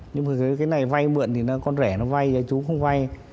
nhưng mà cái này vai mượn thì con rể nó vai chú không vai